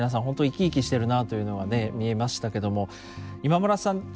本当生き生きしてるなあというのはね見えましたけども今村さん